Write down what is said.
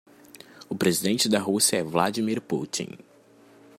O presidente da Rússia é Vladimir Putin.